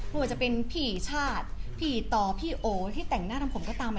ว่าจะเป็นพี่ชาติผีต่อพี่โอที่แต่งหน้าทำผมก็ตามมา